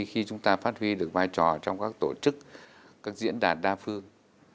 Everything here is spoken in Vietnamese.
khi chúng ta phát huy được vai trò trong các tổ chức các diễn đàn đa phương